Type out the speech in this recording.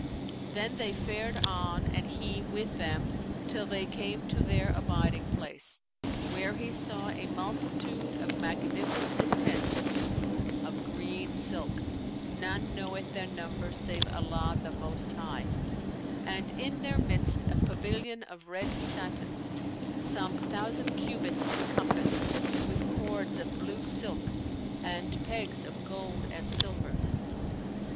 Then they fared on (and he with them) till they came to their abiding place; where he saw a multitude of magnificent tents of green silk, none knoweth their number save Allah the Most High, and in their midst a pavilion of red satin, some thousand cubits in compass, with cords of blue silk and pegs of gold and silver.